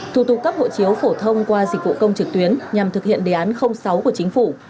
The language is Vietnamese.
thủ tục cấp hộ chiếu phổ thông qua dịch vụ công trực tuyến nhằm thực hiện đề án sáu của chính phủ